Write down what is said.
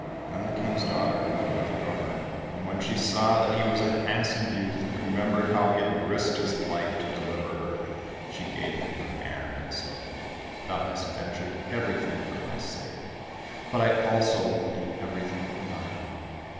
Then the King's daughter looked at the drummer, and when she saw that he was a handsome youth and remembered how he had risked his life to deliver her, she gave him her hand, and said, "Thou hast ventured everything for my sake, but I also will do everything for thine.